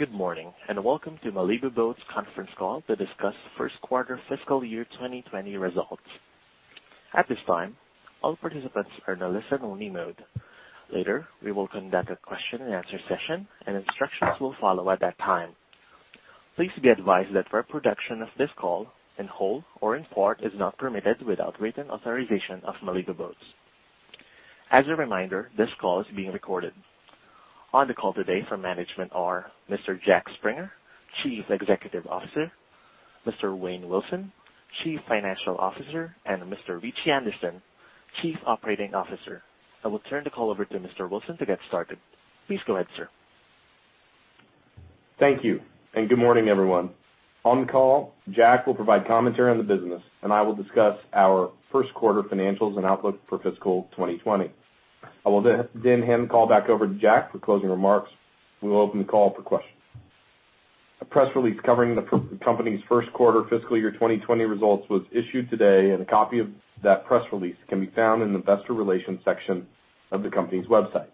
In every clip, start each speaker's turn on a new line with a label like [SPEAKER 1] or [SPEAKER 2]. [SPEAKER 1] Good morning, and welcome to Malibu Boats' conference call to discuss first quarter fiscal year 2020 results. At this time, all participants are in a listen-only mode. Later, we will conduct a question-and-answer session, and instructions will follow at that time. Please be advised that reproduction of this call, in whole or in part, is not permitted without written authorization of Malibu Boats. As a reminder, this call is being recorded. On the call today for management are Mr. Jack Springer, Chief Executive Officer, Mr. Wayne Wilson, Chief Financial Officer, and Mr. Ritchie Anderson, Chief Operating Officer. I will turn the call over to Mr. Wilson to get started. Please go ahead, sir.
[SPEAKER 2] Thank you, and good morning, everyone. On the call, Jack will provide commentary on the business, and I will discuss our first quarter financials and outlook for fiscal 2020. I will then hand the call back over to Jack for closing remarks. We will open the call for questions. A press release covering the company's first quarter fiscal year 2020 results was issued today, and a copy of that press release can be found in the investor relations section of the company's website.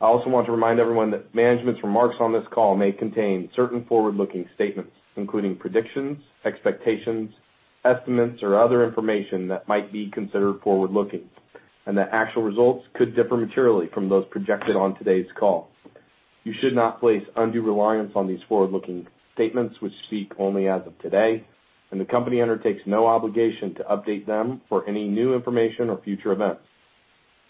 [SPEAKER 2] I also want to remind everyone that management's remarks on this call may contain certain forward-looking statements, including predictions, expectations, estimates, or other information that might be considered forward-looking, and that actual results could differ materially from those projected on today's call. You should not place undue reliance on these forward-looking statements, which speak only as of today, and the company undertakes no obligation to update them for any new information or future events.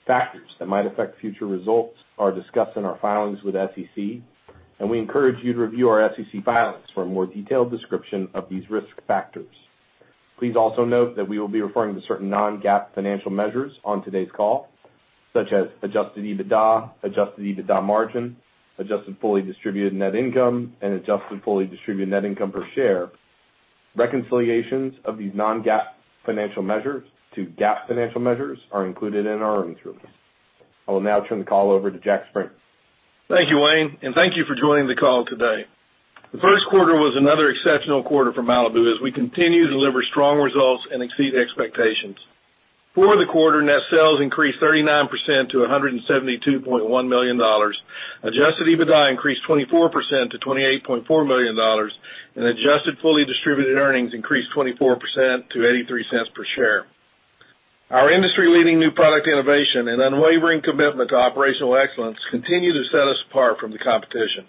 [SPEAKER 2] Factors that might affect future results are discussed in our filings with SEC, and we encourage you to review our SEC filings for a more detailed description of these risk factors. Please also note that we will be referring to certain non-GAAP financial measures on today's call, such as Adjusted EBITDA, Adjusted EBITDA margin, Adjusted Fully Distributed Net Income, and Adjusted Fully Distributed Net Income per share. Reconciliations of these non-GAAP financial measures to GAAP financial measures are included in our earnings release. I will now turn the call over to Jack Springer.
[SPEAKER 3] Thank you, Wayne, and thank you for joining the call today. The first quarter was another exceptional quarter for Malibu as we continue to deliver strong results and exceed expectations. For the quarter, net sales increased 39% to $172.1 million, Adjusted EBITDA increased 24% to $28.4 million, and adjusted fully distributed earnings increased 24% to $0.83 per share. Our industry-leading new product innovation and unwavering commitment to operational excellence continue to set us apart from the competition.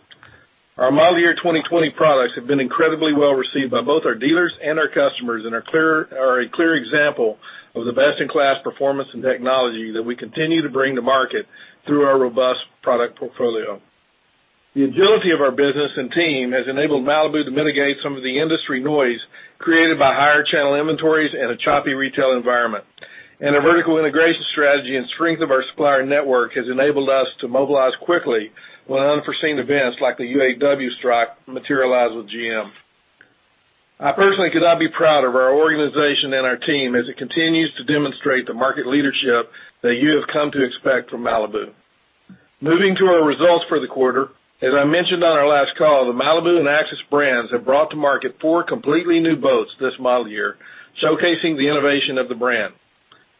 [SPEAKER 3] Our Model Year 2020 products have been incredibly well received by both our dealers and our customers and are a clear example of the best-in-class performance and technology that we continue to bring to market through our robust product portfolio. The agility of our business and team has enabled Malibu to mitigate some of the industry noise created by higher channel inventories and a choppy retail environment, and our vertical integration strategy and strength of our supplier network has enabled us to mobilize quickly when unforeseen events like the UAW strike materialize with GM. I personally could not be prouder of our organization and our team as it continues to demonstrate the market leadership that you have come to expect from Malibu. Moving to our results for the quarter, as I mentioned on our last call, the Malibu and Axis brands have brought to market four completely new boats this model year, showcasing the innovation of the brand.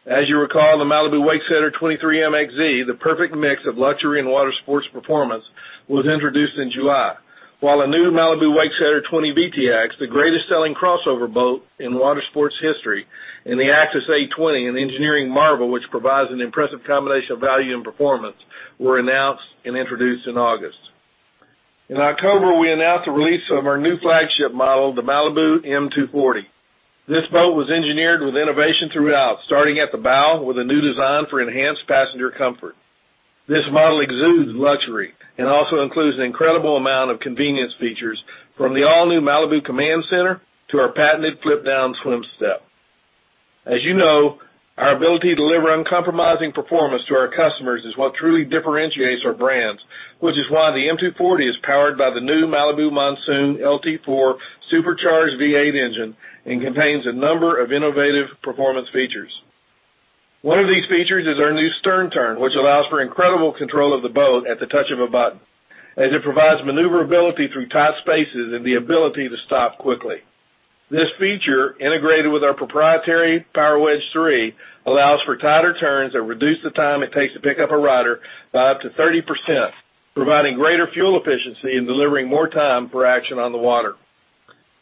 [SPEAKER 3] As you recall, the Malibu Wakesetter 23 MXZ, the perfect mix of luxury and water sports performance, was introduced in July, while a new Malibu Wakesetter 20 VTX, the greatest-selling crossover boat in water sports history, and the Axis A20, an engineering marvel which provides an impressive combination of value and performance, were announced and introduced in August. In October, we announced the release of our new flagship model, the Malibu M240. This boat was engineered with innovation throughout, starting at the bow with a new design for enhanced passenger comfort. This model exudes luxury and also includes an incredible amount of convenience features, from the all-new Malibu Command Center to our patented flip-down swim step. As you know, our ability to deliver uncompromising performance to our customers is what truly differentiates our brands, which is why the M240 is powered by the new Malibu Monsoon LT4 Supercharged V8 engine and contains a number of innovative performance features. One of these features is our new Stern Turn, which allows for incredible control of the boat at the touch of a button, as it provides maneuverability through tight spaces and the ability to stop quickly. This feature, integrated with our proprietary Power Wedge III, allows for tighter turns that reduce the time it takes to pick up a rider by up to 30%, providing greater fuel efficiency and delivering more time for action on the water.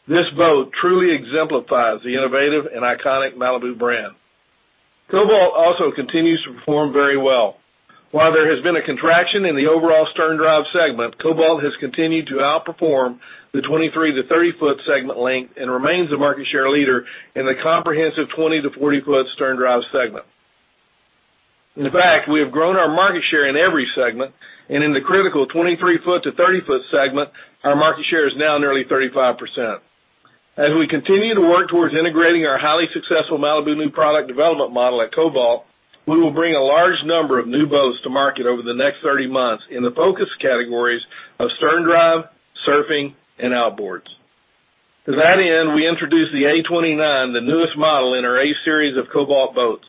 [SPEAKER 3] This boat truly exemplifies the innovative and iconic Malibu brand. Cobalt also continues to perform very well. While there has been a contraction in the overall stern drive segment, Cobalt has continued to outperform the 23- to 30-foot segment length and remains the market share leader in the comprehensive 20- to 40-foot stern drive segment. In fact, we have grown our market share in every segment, and in the critical 23-foot to 30-foot segment, our market share is now nearly 35%. As we continue to work towards integrating our highly successful Malibu new product development model at Cobalt, we will bring a large number of new boats to market over the next 30 months in the focus categories of sterndrive, surfing, and outboards. To that end, we introduced the A29, the newest model in our A Series of Cobalt boats.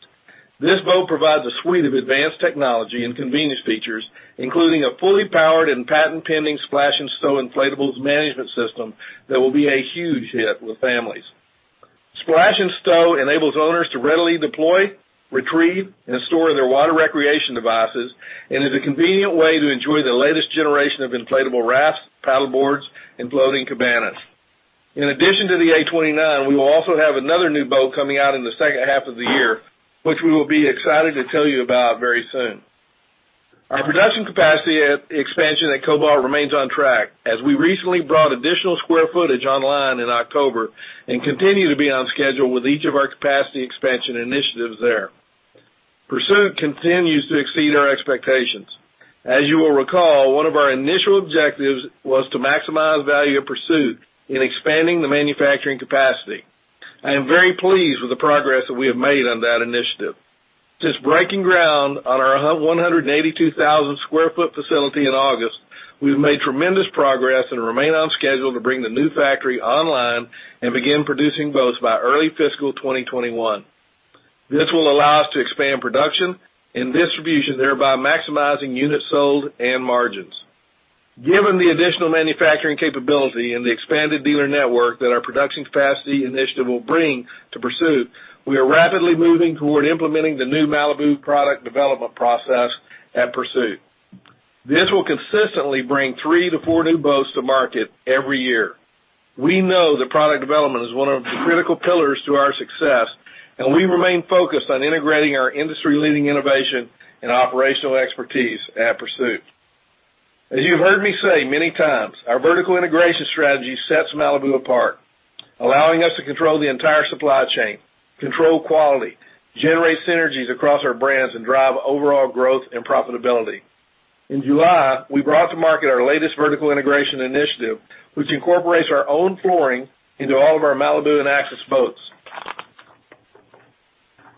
[SPEAKER 3] This boat provides a suite of advanced technology and convenience features, including a fully powered and patent-pending Splash & Stow inflatables management system that will be a huge hit with families. Splash & Stow enables owners to readily deploy, retrieve, and store their water recreation devices and is a convenient way to enjoy the latest generation of inflatable rafts, paddleboards, and floating cabanas. In addition to the A29, we will also have another new boat coming out in the second half of the year, which we will be excited to tell you about very soon. Our production capacity expansion at Cobalt remains on track, as we recently brought additional square footage online in October and continue to be on schedule with each of our capacity expansion initiatives there. Pursuit continues to exceed our expectations. As you will recall, one of our initial objectives was to maximize value of Pursuit in expanding the manufacturing capacity. I am very pleased with the progress that we have made on that initiative. Since breaking ground on our 182,000 square foot facility in August, we've made tremendous progress and remain on schedule to bring the new factory online and begin producing boats by early fiscal 2021. This will allow us to expand production and distribution, thereby maximizing units sold and margins. Given the additional manufacturing capability and the expanded dealer network that our production capacity initiative will bring to Pursuit, we are rapidly moving toward implementing the new Malibu product development process at Pursuit. This will consistently bring three to four new boats to market every year. We know that product development is one of the critical pillars to our success, and we remain focused on integrating our industry-leading innovation and operational expertise at Pursuit. As you've heard me say many times, our vertical integration strategy sets Malibu apart, allowing us to control the entire supply chain, control quality, generate synergies across our brands, and drive overall growth and profitability. In July, we brought to market our latest vertical integration initiative, which incorporates our own flooring into all of our Malibu and Axis boats.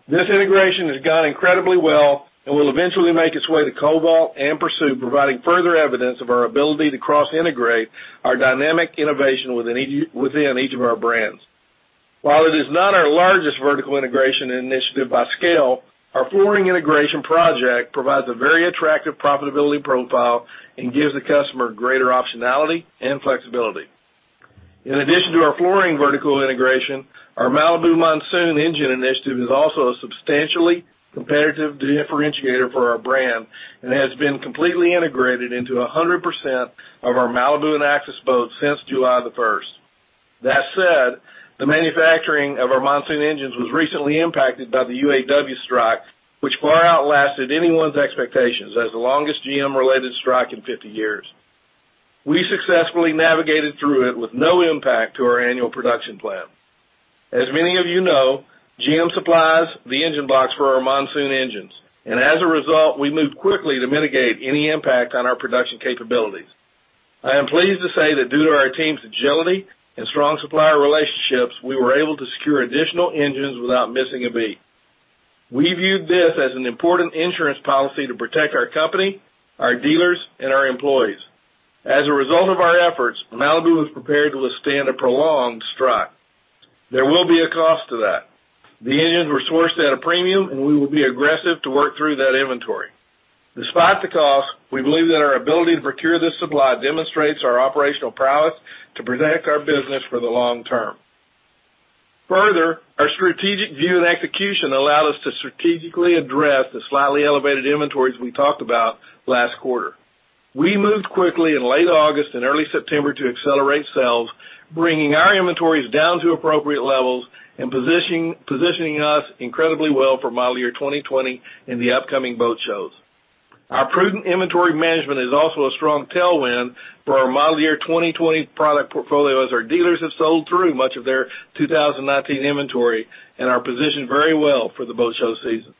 [SPEAKER 3] This integration has gone incredibly well and will eventually make its way to Cobalt and Pursuit, providing further evidence of our ability to cross-integrate our dynamic innovation within each of our brands. While it is not our largest vertical integration initiative by scale, our flooring integration project provides a very attractive profitability profile and gives the customer greater optionality and flexibility. In addition to our flooring vertical integration, our Malibu Monsoon engine initiative is also a substantially competitive differentiator for our brand and has been completely integrated into 100% of our Malibu and Axis boats since July the 1st. That said, the manufacturing of our Monsoon engines was recently impacted by the UAW strike, which far outlasted anyone's expectations as the longest GM-related strike in 50 years. We successfully navigated through it with no impact to our annual production plan. As many of you know, GM supplies the engine blocks for our Monsoon engines, and as a result, we moved quickly to mitigate any impact on our production capabilities. I am pleased to say that due to our team's agility and strong supplier relationships, we were able to secure additional engines without missing a beat. We viewed this as an important insurance policy to protect our company, our dealers, and our employees. As a result of our efforts, Malibu was prepared to withstand a prolonged strike. There will be a cost to that. The engines were sourced at a premium, and we will be aggressive to work through that inventory. Despite the cost, we believe that our ability to procure this supply demonstrates our operational prowess to protect our business for the long term. Further, our strategic view and execution allowed us to strategically address the slightly elevated inventories we talked about last quarter. We moved quickly in late August and early September to accelerate sales, bringing our inventories down to appropriate levels and positioning us incredibly well for model year 2020 and the upcoming boat shows. Our prudent inventory management is also a strong tailwind for our model year 2020 product portfolio, as our dealers have sold through much of their 2019 inventory and are positioned very well for the boat show season.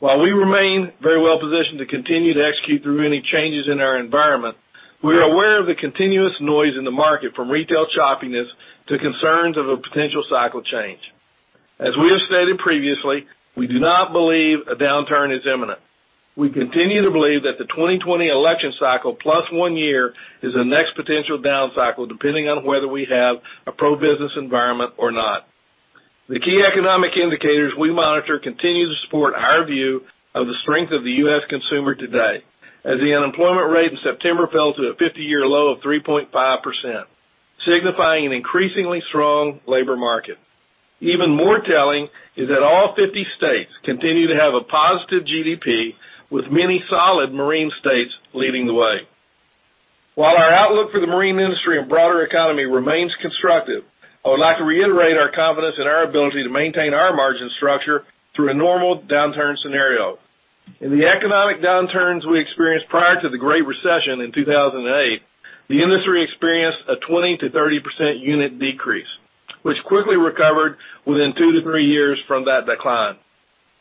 [SPEAKER 3] While we remain very well positioned to continue to execute through any changes in our environment, we are aware of the continuous noise in the market, from retail choppiness to concerns of a potential cycle change. As we have stated previously, we do not believe a downturn is imminent. We continue to believe that the 2020 election cycle, plus one year, is the next potential down cycle, depending on whether we have a pro-business environment or not. The key economic indicators we monitor continue to support our view of the strength of the U.S. consumer today, as the unemployment rate in September fell to a 50-year low of 3.5%, signifying an increasingly strong labor market. Even more telling is that all 50 states continue to have a positive GDP, with many solid marine states leading the way. While our outlook for the marine industry and broader economy remains constructive, I would like to reiterate our confidence in our ability to maintain our margin structure through a normal downturn scenario. In the economic downturns we experienced prior to the Great Recession in 2008, the industry experienced a 20%-30% unit decrease, which quickly recovered within two to three years from that decline.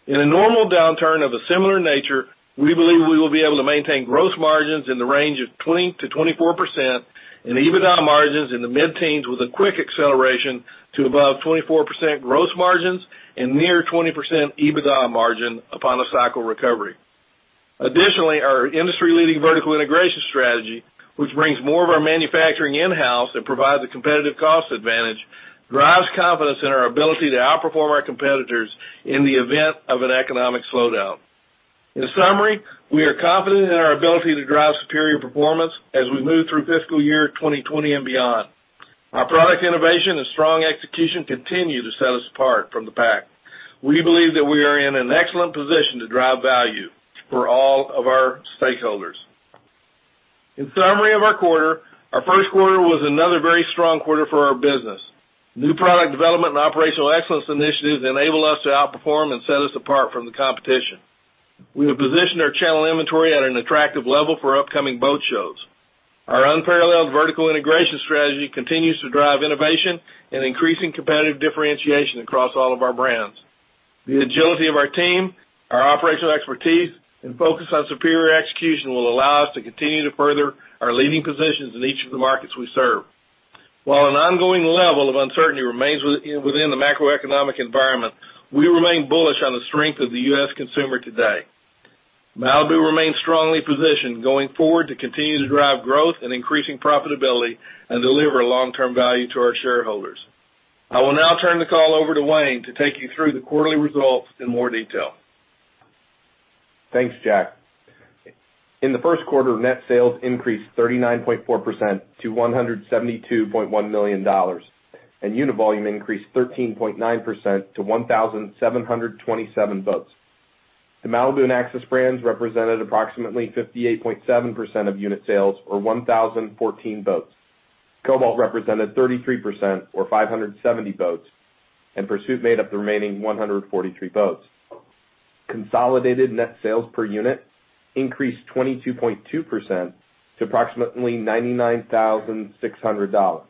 [SPEAKER 3] In a normal downturn of a similar nature, we believe we will be able to maintain gross margins in the range of 20%-24% and EBITDA margins in the mid-teens, with a quick acceleration to above 24% gross margins and near 20% EBITDA margin upon a cycle recovery. Additionally, our industry-leading vertical integration strategy, which brings more of our manufacturing in-house and provides a competitive cost advantage, drives confidence in our ability to outperform our competitors in the event of an economic slowdown. In summary, we are confident in our ability to drive superior performance as we move through fiscal year 2020 and beyond. Our product innovation and strong execution continue to set us apart from the pack. We believe that we are in an excellent position to drive value for all of our stakeholders. In summary of our quarter, our first quarter was another very strong quarter for our business. New product development and operational excellence initiatives enable us to outperform and set us apart from the competition. We have positioned our channel inventory at an attractive level for upcoming boat shows. Our unparalleled vertical integration strategy continues to drive innovation and increasing competitive differentiation across all of our brands. The agility of our team, our operational expertise, and focus on superior execution will allow us to continue to further our leading positions in each of the markets we serve. While an ongoing level of uncertainty remains within the macroeconomic environment, we remain bullish on the strength of the U.S. consumer today. Malibu remains strongly positioned going forward to continue to drive growth and increasing profitability and deliver long-term value to our shareholders. I will now turn the call over to Wayne to take you through the quarterly results in more detail.
[SPEAKER 2] Thanks, Jack. In the first quarter, net sales increased 39.4% to $172.1 million, and unit volume increased 13.9% to 1,727 boats. The Malibu and Axis brands represented approximately 58.7% of unit sales, or 1,014 boats. Cobalt represented 33%, or 570 boats, and Pursuit made up the remaining 143 boats. Consolidated net sales per unit increased 22.2% to approximately $99,600,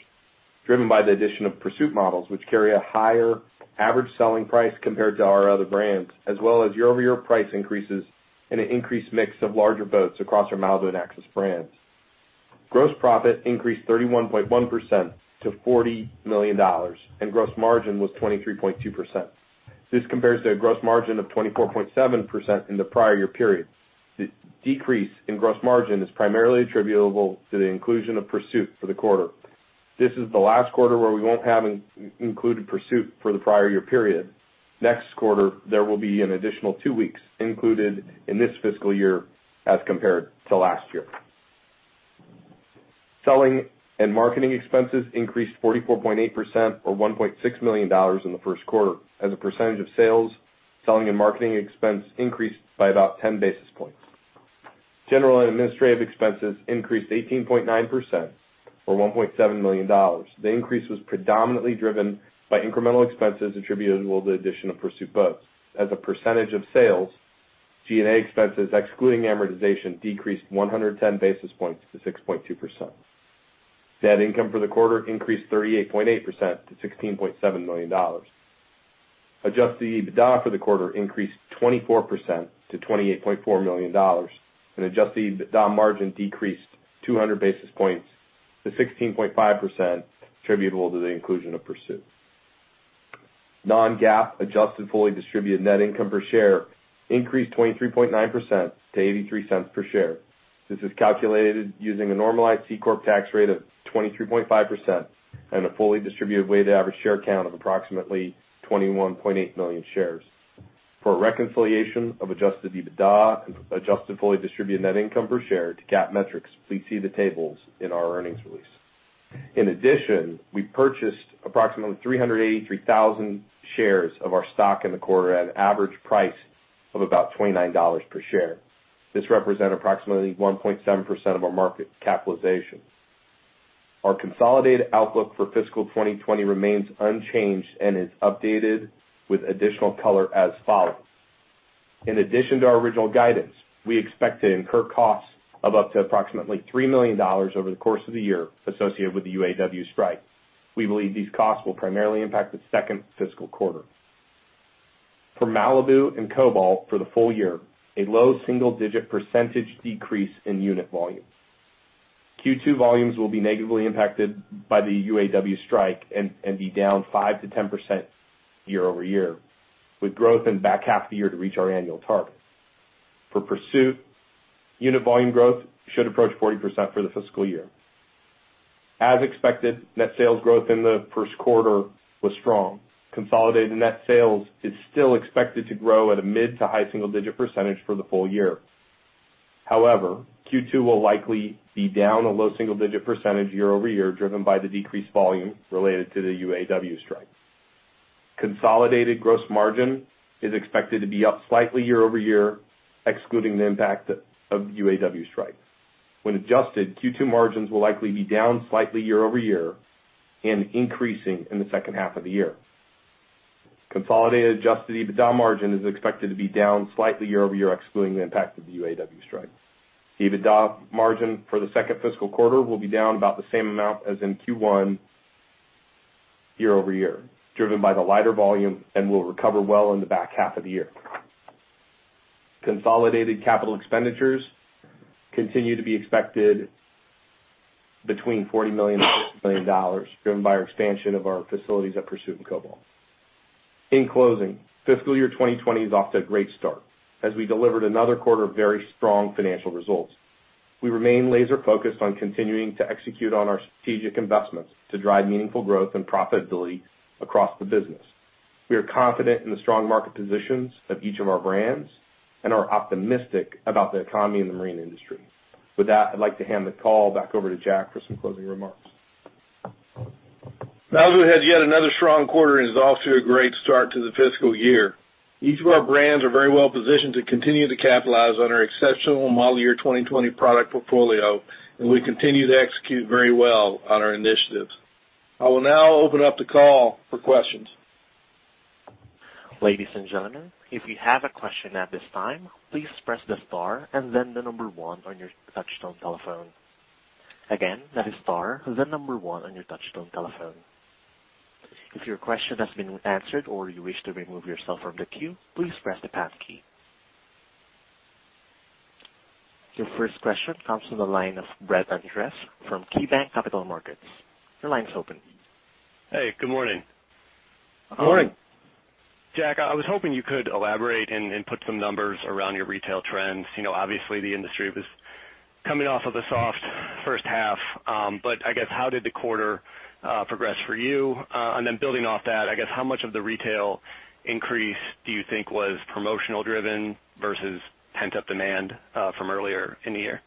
[SPEAKER 2] driven by the addition of Pursuit models, which carry a higher average selling price compared to our other brands, as well as year-over-year price increases and an increased mix of larger boats across our Malibu and Axis brands. Gross profit increased 31.1% to $40 million, and gross margin was 23.2%. This compares to a gross margin of 24.7% in the prior year period. The decrease in gross margin is primarily attributable to the inclusion of Pursuit for the quarter. This is the last quarter where we won't have included Pursuit for the prior year period. Next quarter, there will be an additional two weeks included in this fiscal year as compared to last year. Selling and marketing expenses increased 44.8%, or $1.6 million in the first quarter. As a percentage of sales, selling and marketing expense increased by about 10 basis points. General and administrative expenses increased 18.9%, or $1.7 million. The increase was predominantly driven by incremental expenses attributable to the addition of Pursuit boats. As a percentage of sales, G&A expenses, excluding amortization, decreased 110 basis points to 6.2%. Net income for the quarter increased 38.8% to $16.7 million. Adjusted EBITDA for the quarter increased 24% to $28.4 million, and adjusted EBITDA margin decreased 200 basis points to 16.5%, attributable to the inclusion of Pursuit. Non-GAAP adjusted fully distributed net income per share increased 23.9% to $0.83 per share. This is calculated using a normalized C Corp tax rate of 23.5% and a fully distributed weighted average share count of approximately 21.8 million shares. For reconciliation of adjusted EBITDA and adjusted fully distributed net income per share to GAAP metrics, please see the tables in our earnings release. In addition, we purchased approximately 383,000 shares of our stock in the quarter at an average price of about $29 per share. This represents approximately 1.7% of our market capitalization. Our consolidated outlook for fiscal 2020 remains unchanged and is updated with additional color as follows. In addition to our original guidance, we expect to incur costs of up to approximately $3 million over the course of the year associated with the UAW strike. We believe these costs will primarily impact the second fiscal quarter. For Malibu and Cobalt for the full year, a low single-digit percentage decrease in unit volume. Q2 volumes will be negatively impacted by the UAW strike and be down 5%-10% year-over-year, with growth in about half the year to reach our annual target. For Pursuit, unit volume growth should approach 40% for the fiscal year. As expected, net sales growth in the first quarter was strong. Consolidated net sales is still expected to grow at a mid- to high-single-digit percentage for the full year. However, Q2 will likely be down a low single-digit percentage year-over-year, driven by the decreased volume related to the UAW strike. Consolidated gross margin is expected to be up slightly year-over-year, excluding the impact of UAW strike. When adjusted, Q2 margins will likely be down slightly year-over-year and increasing in the second half of the year. Consolidated adjusted EBITDA margin is expected to be down slightly year-over-year, excluding the impact of the UAW strike. EBITDA margin for the second fiscal quarter will be down about the same amount as in Q1 year-over-year, driven by the lighter volume and will recover well in the back half of the year. Consolidated capital expenditures continue to be expected between $40 million and $50 million, driven by our expansion of our facilities at Pursuit and Cobalt. In closing, fiscal year 2020 is off to a great start as we delivered another quarter of very strong financial results. We remain laser-focused on continuing to execute on our strategic investments to drive meaningful growth and profitability across the business. We are confident in the strong market positions of each of our brands and are optimistic about the economy and the marine industry. With that, I'd like to hand the call back over to Jack for some closing remarks.
[SPEAKER 3] Malibu has yet another strong quarter and is off to a great start to the fiscal year. Each of our brands are very well positioned to continue to capitalize on our exceptional model year 2020 product portfolio, and we continue to execute very well on our initiatives. I will now open up the call for questions.
[SPEAKER 1] Ladies and gentlemen, if you have a question at this time, please press the star and then the number one on your touch-tone telephone. Again, that is star and then number one on your touch-tone telephone. If your question has been answered or you wish to remove yourself from the queue, please press the pound key. Your first question comes from the line of Brett Andress from KeyBanc Capital Markets. Your line is open.
[SPEAKER 4] Hey, good morning.
[SPEAKER 3] Good morning.
[SPEAKER 4] Jack, I was hoping you could elaborate and put some numbers around your retail trends. Obviously, the industry was coming off of a soft first half, but I guess how did the quarter progress for you? And then building off that, I guess how much of the retail increase do you think was promotional-driven versus pent-up demand from earlier in the year?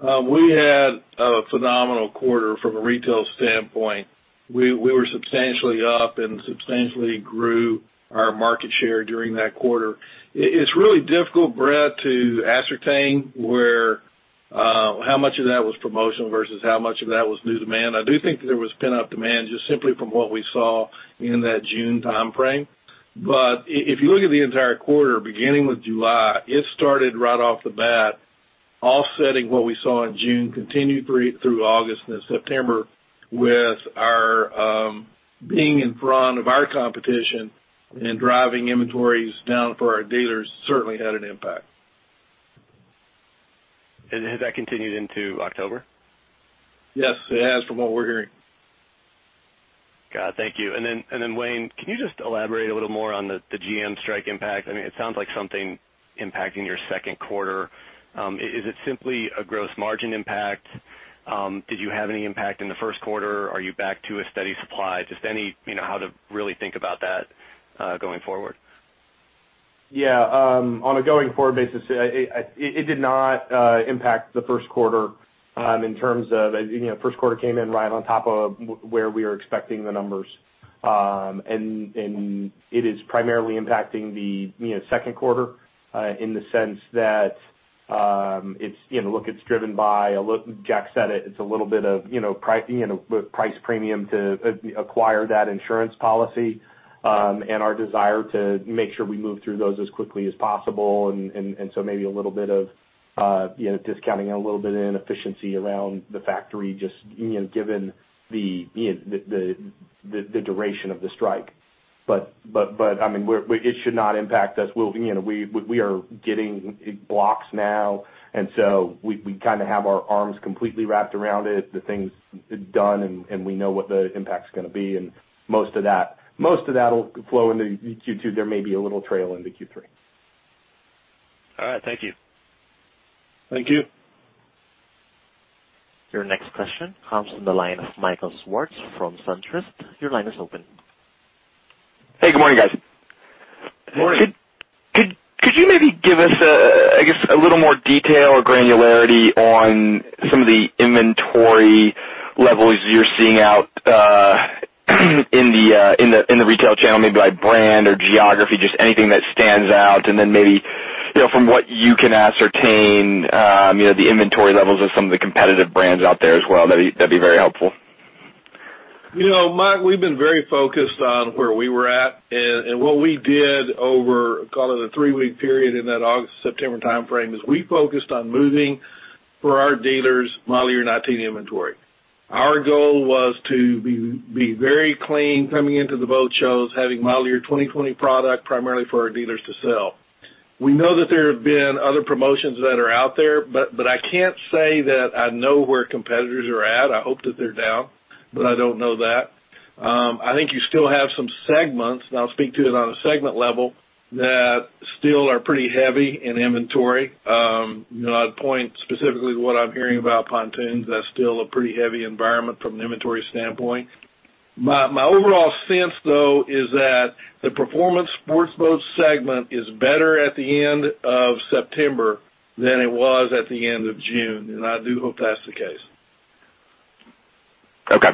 [SPEAKER 3] We had a phenomenal quarter from a retail standpoint. We were substantially up and substantially grew our market share during that quarter. It's really difficult, Brett, to ascertain how much of that was promotional versus how much of that was new demand. I do think there was pent-up demand just simply from what we saw in that June time frame. But if you look at the entire quarter, beginning with July, it started right off the bat, offsetting what we saw in June, continued through August and then September, with our being in front of our competition and driving inventories down for our dealers certainly had an impact.
[SPEAKER 4] And has that continued into October?
[SPEAKER 3] Yes, it has from what we're hearing.
[SPEAKER 4] Got it. Thank you. And then, Wayne, can you just elaborate a little more on the GM strike impact? I mean, it sounds like something impacting your second quarter. Is it simply a gross margin impact? Did you have any impact in the first quarter? Are you back to a steady supply? Just how to really think about that going forward.
[SPEAKER 2] Yeah. On a going forward basis, it did not impact the first quarter in terms of the first quarter came in right on top of where we were expecting the numbers. And it is primarily impacting the second quarter in the sense that it's look, it's driven by. Jack said it, it's a little bit of price premium to acquire that insurance policy and our desire to make sure we move through those as quickly as possible. And so maybe a little bit of discounting and a little bit of inefficiency around the factory just given the duration of the strike. But I mean, it should not impact us. We are getting blocks now, and so we kind of have our arms completely wrapped around it, the things done, and we know what the impact's going to be. And most of that will flow into Q2. There may be a little trail into Q3.
[SPEAKER 4] All right. Thank you.
[SPEAKER 2] Thank you.
[SPEAKER 1] Your next question comes from the line of Michael Swartz from SunTrust. Your line is open.
[SPEAKER 5] Hey, good morning, guys.
[SPEAKER 3] Good morning.
[SPEAKER 5] Could you maybe give us, I guess, a little more detail or granularity on some of the inventory levels you're seeing out in the retail channel, maybe by brand or geography, just anything that stands out? And then maybe from what you can ascertain, the inventory levels of some of the competitive brands out there as well. That'd be very helpful.
[SPEAKER 3] We've been very focused on where we were at. What we did over, call it a three-week period in that August-September time frame, is we focused on moving for our dealers model year 2019 inventory. Our goal was to be very clean coming into the boat shows, having model year 2020 product primarily for our dealers to sell. We know that there have been other promotions that are out there, but I can't say that I know where competitors are at. I hope that they're down, but I don't know that. I think you still have some segments, and I'll speak to it on a segment level, that still are pretty heavy in inventory. I'd point specifically to what I'm hearing about pontoons. That's still a pretty heavy environment from an inventory standpoint. My overall sense, though, is that the performance sports boat segment is better at the end of September than it was at the end of June, and I do hope that's the case.
[SPEAKER 5] Okay.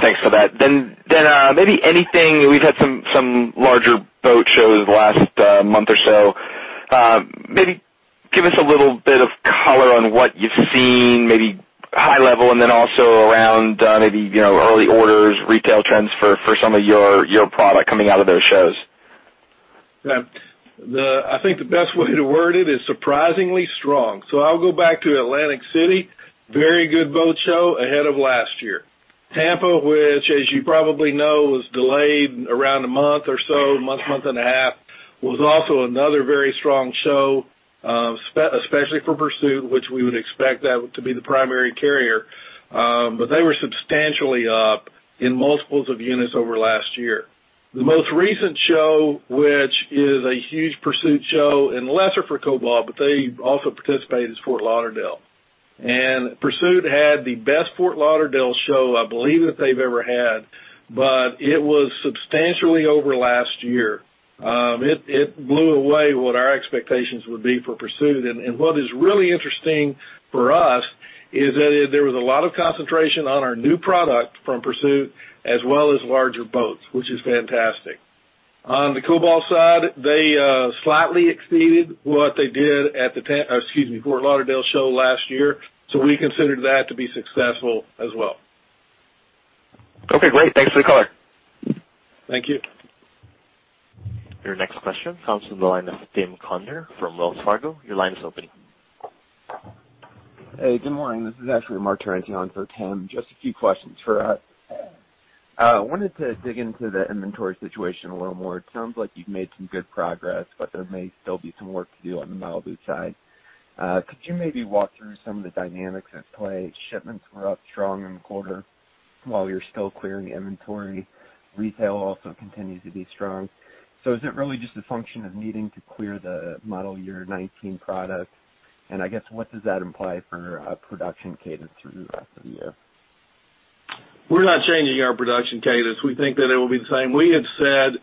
[SPEAKER 5] Thanks for that. Then, maybe anything we've had some larger boat shows the last month or so. Maybe give us a little bit of color on what you've seen, maybe high level, and then also around maybe early orders, retail trends for some of your product coming out of those shows.
[SPEAKER 3] I think the best way to word it is surprisingly strong, so I'll go back to Atlantic City, very good boat show ahead of last year. Tampa, which, as you probably know, was delayed around a month or so, month, month and a half, was also another very strong show, especially for Pursuit, which we would expect that to be the primary carrier. But they were substantially up in multiples of units over last year. The most recent show, which is a huge Pursuit show and lesser for Cobalt, but they also participated, is Fort Lauderdale. And Pursuit had the best Fort Lauderdale show, I believe, that they've ever had, but it was substantially over last year. It blew away what our expectations would be for Pursuit. And what is really interesting for us is that there was a lot of concentration on our new product from Pursuit as well as larger boats, which is fantastic. On the Cobalt side, they slightly exceeded what they did at the, excuse me, Fort Lauderdale show last year. So we considered that to be successful as well.
[SPEAKER 5] Okay. Great. Thanks for the color.
[SPEAKER 1] Thank you. Your next question comes from the line of Tim Conder from Wells Fargo.
[SPEAKER 6] Your line is open. Hey, good morning. This is actually Marc Torrente on for Tim. Just a few questions for us. I wanted to dig into the inventory situation a little more. It sounds like you've made some good progress, but there may still be some work to do on the Malibu side. Could you maybe walk through some of the dynamics at play? Shipments were up strong in the quarter while you're still clearing inventory. Retail also continues to be strong. So is it really just a function of needing to clear the model year 2019 product? And I guess what does that imply for production cadence through the rest of the year?
[SPEAKER 2] We're not changing our production cadence. We think that it will be the same. We had said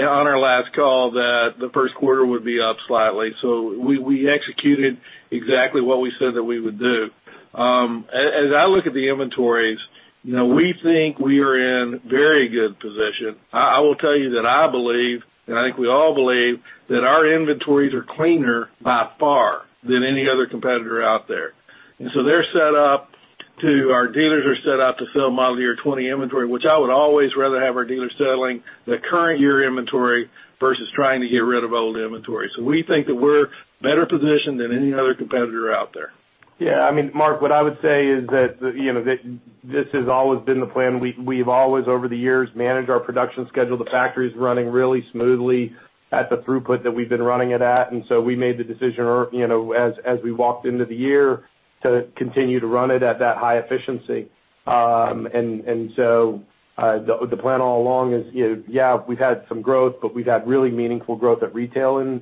[SPEAKER 2] on our last call that the first quarter would be up slightly. So we executed exactly what we said that we would do. As I look at the inventories, we think we are in very good position. I will tell you that I believe, and I think we all believe, that our inventories are cleaner by far than any other competitor out there, and so they're set up. Our dealers are set up to sell model year 2020 inventory, which I would always rather have our dealers selling the current year inventory versus trying to get rid of old inventory, so we think that we're better positioned than any other competitor out there.
[SPEAKER 3] Yeah. I mean, Mark, what I would say is that this has always been the plan. We've always, over the years, managed our production schedule. The factory is running really smoothly at the throughput that we've been running it at. And so we made the decision as we walked into the year to continue to run it at that high efficiency. And so the plan all along is, yeah, we've had some growth, but we've had really meaningful growth at retail in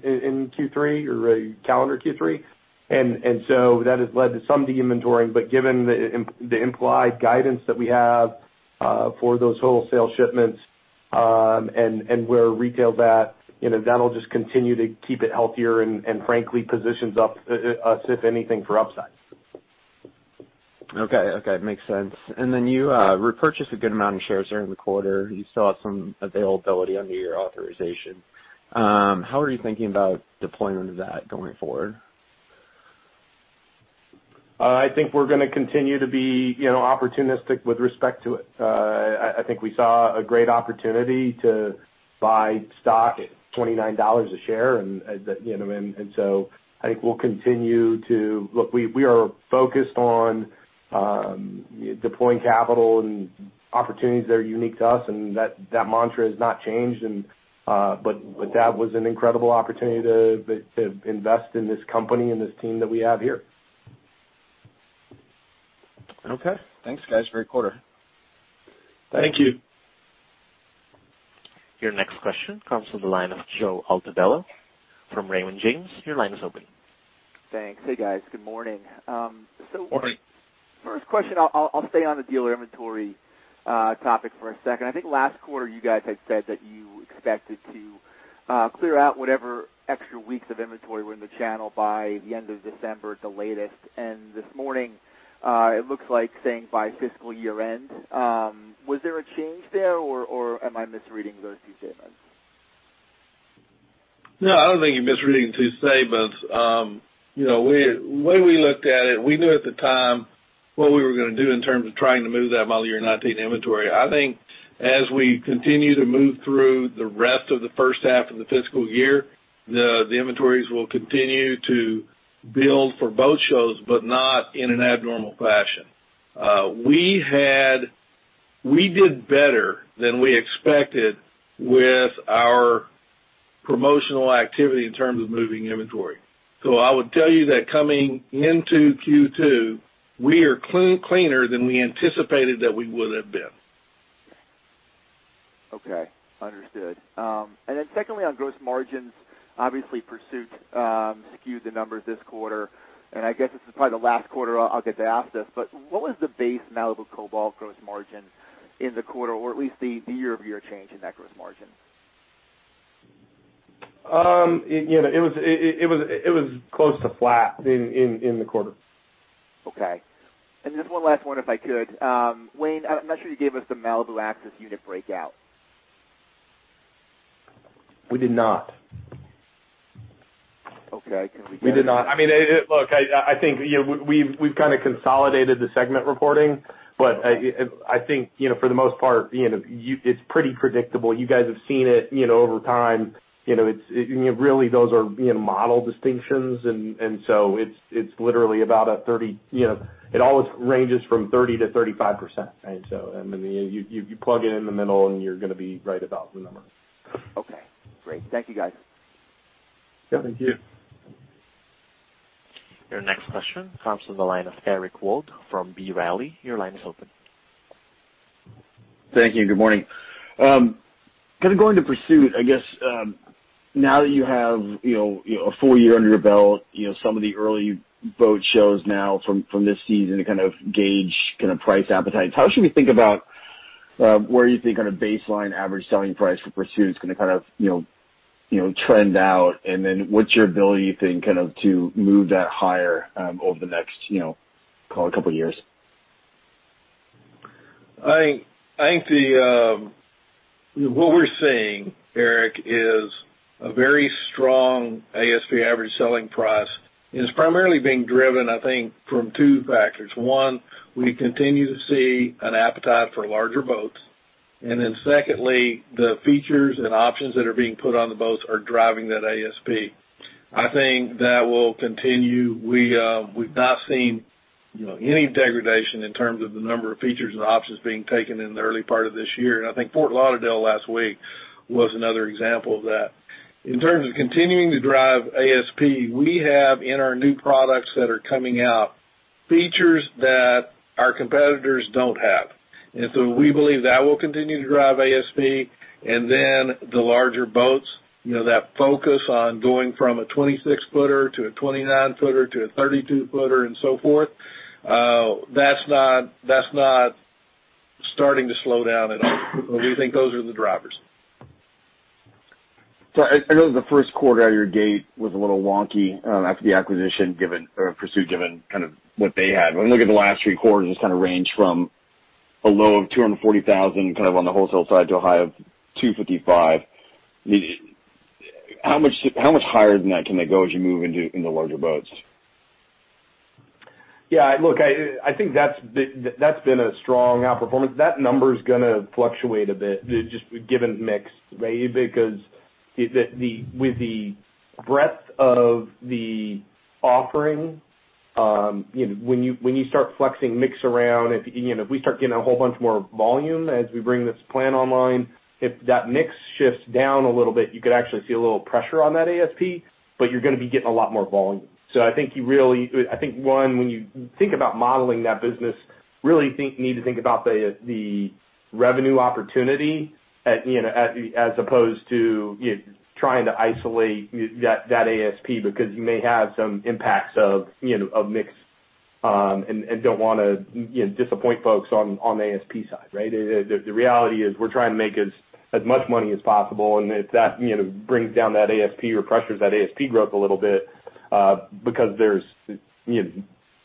[SPEAKER 3] Q3 or calendar Q3. And so that has led to some de-inventory. But given the implied guidance that we have for those wholesale shipments and where retail's at, that'll just continue to keep it healthier and, frankly, positions us, if anything, for upside.
[SPEAKER 6] Okay. Okay. Makes sense. And then you repurchased a good amount of shares during the quarter. You still have some availability under your authorization. How are you thinking about deployment of that going forward?
[SPEAKER 3] I think we're going to continue to be opportunistic with respect to it. I think we saw a great opportunity to buy stock at $29 a share. And so I think we'll continue to look. We are focused on deploying capital and opportunities that are unique to us. And that mantra has not changed. But that was an incredible opportunity to invest in this company and this team that we have here. Okay. Thanks, guys. Great quarter. Thank you.
[SPEAKER 1] Your next question comes from the line of Joe Altobello from Raymond James. Your line is open.
[SPEAKER 7] Thanks. Hey, guys. Good morning. So first question, I'll stay on the dealer inventory topic for a second. I think last quarter you guys had said that you expected to clear out whatever extra weeks of inventory were in the channel by the end of December at the latest. And this morning, it looks like saying by fiscal year end. Was there a change there, or am I misreading those two statements?
[SPEAKER 2] No, I don't think you're misreading two statements. The way we looked at it, we knew at the time what we were going to do in terms of trying to move that model year 19 inventory. I think as we continue to move through the rest of the first half of the fiscal year, the inventories will continue to build for boat shows, but not in an abnormal fashion. We did better than we expected with our promotional activity in terms of moving inventory. So I would tell you that coming into Q2, we are cleaner than we anticipated that we would have been.
[SPEAKER 7] Okay. Understood. And then secondly, on gross margins, obviously, Pursuit skewed the numbers this quarter. And I guess this is probably the last quarter I'll get to ask this, but what was the base Malibu Cobalt gross margin in the quarter, or at least the year-over-year change in that gross margin?
[SPEAKER 2] It was close to flat in the quarter.
[SPEAKER 7] Okay, and just one last one, if I could. Wayne, I'm not sure you gave us the Malibu Axis unit breakout.
[SPEAKER 2] We did not.
[SPEAKER 7] Okay.
[SPEAKER 2] We did not. I mean, look, I think we've kind of consolidated the segment reporting, but I think for the most part, it's pretty predictable. You guys have seen it over time. Really, those are model distinctions, and so it's literally about a 30. It always ranges from 30%-35%. And so I mean, you plug it in the middle, and you're going to be right about the number.
[SPEAKER 7] Okay. Great. Thank you, guys.
[SPEAKER 2] Yeah. Thank you.
[SPEAKER 1] Your next question comes from the line of Eric Wold from B. Riley. Your line is open.
[SPEAKER 8] Thank you. Good morning. Kind of going to Pursuit, I guess, now that you have a full year under your belt, some of the early boat shows now from this season to kind of gauge kind of price appetites. How should we think about where you think kind of baseline average selling price for Pursuit is going to kind of trend out? And then what's your ability, do you think, kind of to move that higher over the next, call it, a couple of years?
[SPEAKER 2] I think what we're seeing, Eric, is a very strong ASP average selling price. It's primarily being driven, I think, from two factors. One, we continue to see an appetite for larger boats. And then secondly, the features and options that are being put on the boats are driving that ASP. I think that will continue. We've not seen any degradation in terms of the number of features and options being taken in the early part of this year. And I think Fort Lauderdale last week was another example of that. In terms of continuing to drive ASP, we have in our new products that are coming out features that our competitors don't have. And so we believe that will continue to drive ASP. And then the larger boats, that focus on going from a 26-footer to a 29-footer to a 32-footer and so forth, that's not starting to slow down at all. We think those are the drivers.
[SPEAKER 8] So I know the first quarter at your gate was a little wonky after the acquisition, Pursuit, given kind of what they had. When we look at the last three quarters, it kind of ranged from a low of $240,000 kind of on the wholesale side to a high of $255,000. How much higher than that can they go as you move into larger boats?
[SPEAKER 3] Yeah. Look, I think that's been a strong outperformance. That number is going to fluctuate a bit, just given mixed value because with the breadth of the offering, when you start flexing mix around, if we start getting a whole bunch more volume as we bring this plant online, if that mix shifts down a little bit, you could actually see a little pressure on that ASP, but you're going to be getting a lot more volume. I think you really, one, when you think about modeling that business, really need to think about the revenue opportunity as opposed to trying to isolate that ASP because you may have some impacts of mix and don't want to disappoint folks on the ASP side, right? The reality is we're trying to make as much money as possible, and if that brings down that ASP or pressures that ASP growth a little bit because there's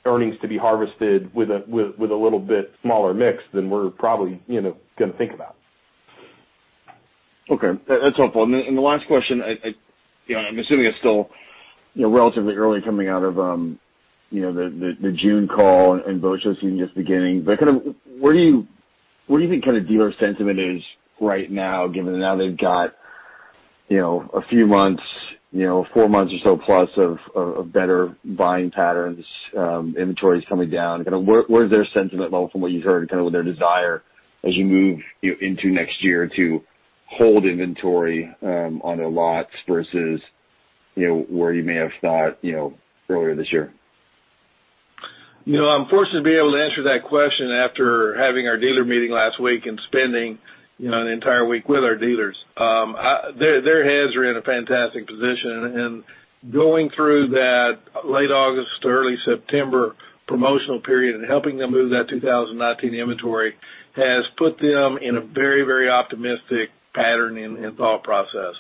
[SPEAKER 3] earnings to be harvested with a little bit smaller mix than we're probably going to think about.
[SPEAKER 8] Okay. That's helpful. The last question, I'm assuming it's still relatively early coming out of the June call and boat show season just beginning. But kind of, where do you think kind of dealer sentiment is right now, given now they've got a few months, four months or so plus of better buying patterns, inventories coming down? Kind of, where's their sentiment level from what you heard, kind of with their desire as you move into next year to hold inventory on their lots versus where you may have thought earlier this year?
[SPEAKER 2] I'm fortunate to be able to answer that question after having our dealer meeting last week and spending an entire week with our dealers. Their heads are in a fantastic position, and going through that late August to early September promotional period and helping them move that 2019 inventory has put them in a very, very optimistic pattern and thought process.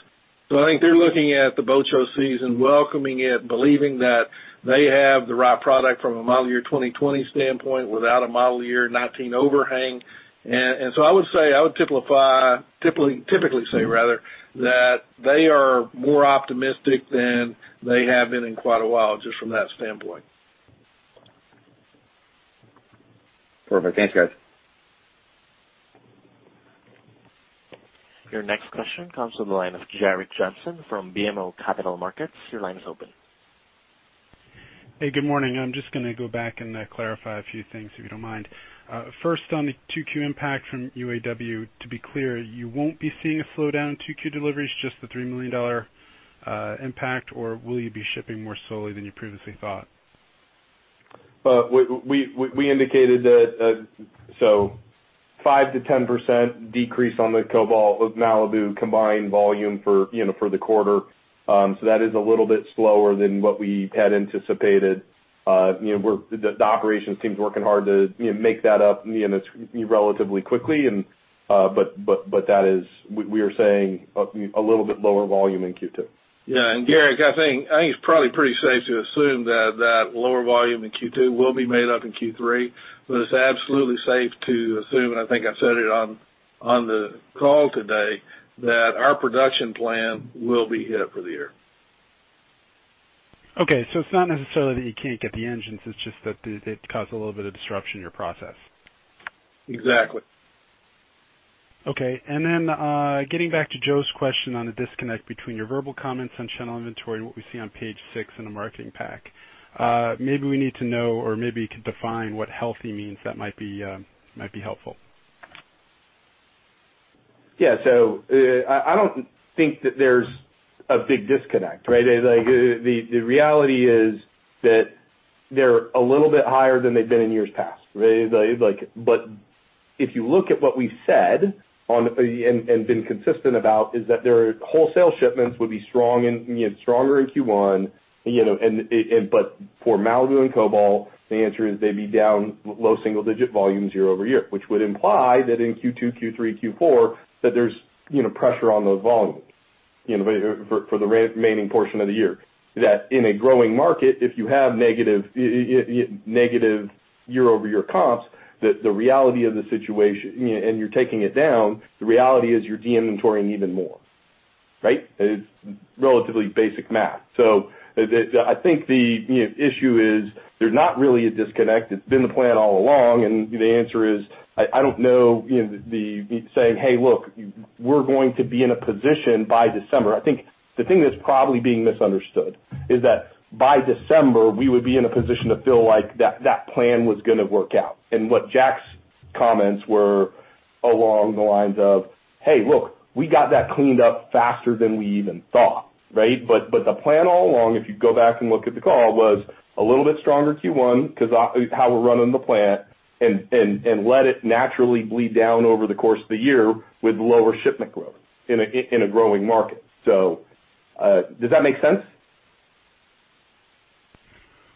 [SPEAKER 2] So I think they're looking at the boat show season, welcoming it, believing that they have the right product from a model year 2020 standpoint without a model year 2019 overhang. And so I would say, I would typically say rather, that they are more optimistic than they have been in quite a while just from that standpoint.
[SPEAKER 8] Perfect. Thanks, guys.
[SPEAKER 1] Your next question comes from the line of Gerrick Johnson from BMO Capital Markets. Your line is open.
[SPEAKER 9] Hey, good morning. I'm just going to go back and clarify a few things if you don't mind. First, on the 2Q impact from UAW, to be clear, you won't be seeing a slowdown in 2Q deliveries, just the $3 million impact, or will you be shipping more slowly than you previously thought?
[SPEAKER 3] We indicated that, so 5%-10% decrease on the Cobalt with Malibu combined volume for the quarter. So that is a little bit slower than what we had anticipated. The operations team's working hard to make that up relatively quickly. But that is, we are saying, a little bit lower volume in Q2.
[SPEAKER 2] Yeah. And Gerrick, I think it's probably pretty safe to assume that that lower volume in Q2 will be made up in Q3. But it's absolutely safe to assume, and I think I said it on the call today, that our production plan will be hit for the year. Okay. So it's not necessarily that you can't get the engines. It's just that it caused a little bit of disruption in your process. Exactly.
[SPEAKER 9] Okay. And then getting back to Joe's question on the disconnect between your verbal comments on channel inventory and what we see on page six in the marketing pack, maybe we need to know or maybe you could define what healthy means. That might be helpful.
[SPEAKER 3] Yeah. So I don't think that there's a big disconnect, right? The reality is that they're a little bit higher than they've been in years past, right? But if you look at what we've said and been consistent about is that their wholesale shipments would be stronger in Q1. But for Malibu and Cobalt, the answer is they'd be down low single-digit volumes year-over-year, which would imply that in Q2, Q3, Q4, that there's pressure on those volumes for the remaining portion of the year. That in a growing market, if you have negative year-over-year comps, the reality of the situation, and you're taking it down, the reality is you're de-inventorying even more, right? It's relatively basic math. So I think the issue is there's not really a disconnect. It's been the plan all along. And the answer is I don't know the saying, "Hey, look, we're going to be in a position by December." I think the thing that's probably being misunderstood is that by December, we would be in a position to feel like that plan was going to work out. And what Jack's comments were along the lines of, "Hey, look, we got that cleaned up faster than we even thought," right? But the plan all along, if you go back and look at the call, was a little bit stronger Q1 because how we're running the plant and let it naturally bleed down over the course of the year with lower shipment growth in a growing market. So does that make sense?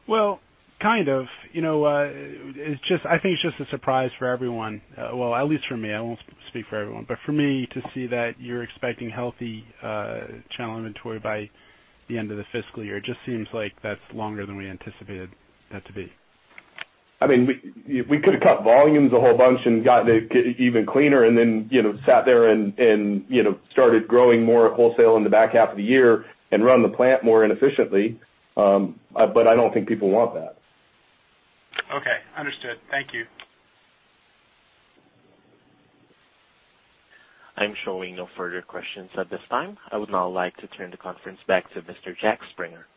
[SPEAKER 9] Well, kind of. I think it's just a surprise for everyone. Well, at least for me. I won't speak for everyone. But for me, to see that you're expecting healthy channel inventory by the end of the fiscal year, it just seems like that's longer than we anticipated that to be.
[SPEAKER 3] I mean, we could have cut volumes a whole bunch and gotten it even cleaner and then sat there and started growing more wholesale in the back half of the year and run the plant more inefficiently. But I don't think people want that.
[SPEAKER 9] Okay. Understood. Thank you.
[SPEAKER 1] I'm showing no further questions at this time. I would now like to turn the conference back to Mr. Jack Springer.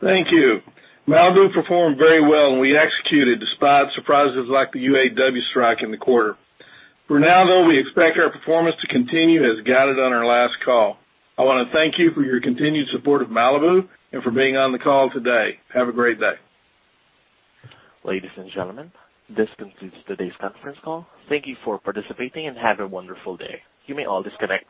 [SPEAKER 3] Thank you. Malibu performed very well, and we executed despite surprises like the UAW strike in the quarter. For now, though, we expect our performance to continue as guided on our last call. I want to thank you for your continued support of Malibu and for being on the call today. Have a great day.
[SPEAKER 1] Ladies and gentlemen, this concludes today's conference call. Thank you for participating and have a wonderful day. You may all disconnect.